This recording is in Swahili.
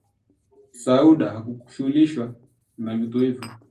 Sauda hakushughulishwa na vitu hivyo